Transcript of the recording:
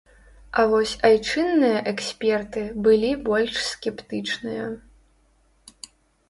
А вось айчынныя эксперты былі больш скептычныя.